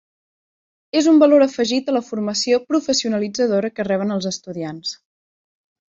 És un valor afegit a la formació professionalitzadora que reben els estudiants.